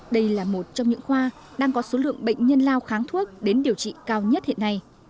đây là một trong những khoa đang có số lượng bệnh nhân lao kháng thuốc đến điều trị cao nhất hiện nay